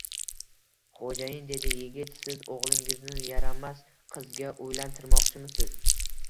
Xo`jayin, dedi yigit, siz o`g`lingizni yaramas qizga uylantirmoqchimisiz